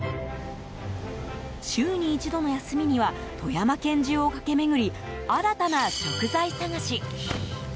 週に一度の休みには富山県中を駆け巡り新たな食材探し。